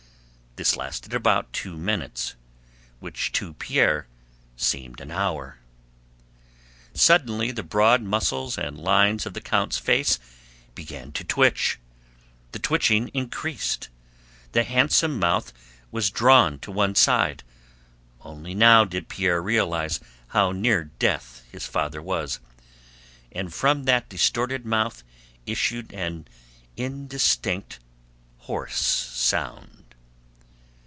This lasted about two minutes, which to Pierre seemed an hour. Suddenly the broad muscles and lines of the count's face began to twitch. The twitching increased, the handsome mouth was drawn to one side (only now did Pierre realize how near death his father was), and from that distorted mouth issued an indistinct, hoarse sound.